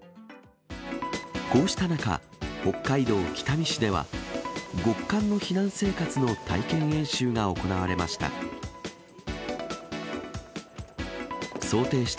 こうした中、北海道北見市では、極寒の避難生活の体験演習が行われました。